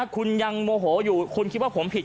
คุณยังโมโหอยู่คุณคิดว่าผมผิด